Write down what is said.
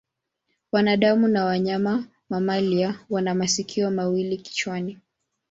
Wanadamu na wanyama mamalia wana masikio mawili kichwani.